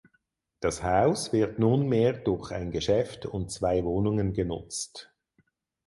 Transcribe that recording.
Das Haus wird nunmehr durch ein Geschäft und zwei Wohnungen genutzt.